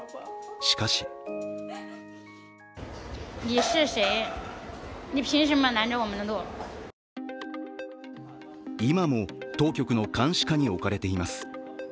しかし今も当局の監視下に置かれています。